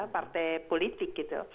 partai politik gitu